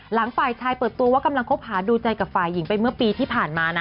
ฝ่ายชายเปิดตัวว่ากำลังคบหาดูใจกับฝ่ายหญิงไปเมื่อปีที่ผ่านมานะ